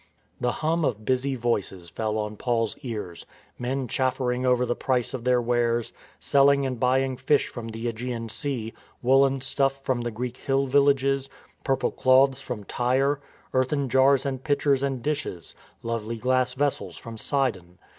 The hum of busy voices fell on Paul's ears, men chaffering over the prices of their wares — selling and buying fish from the ^gean Sea, woollen stuff from the Greek hill villages, purple cloths from Tyre, earthen jars and pitchers and dishes, lovely glass ves sels from Sidon.